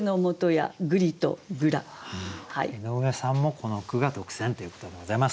井上さんもこの句が特選ということでございます。